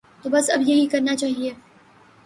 تو بس اب یہی کرنا چاہیے۔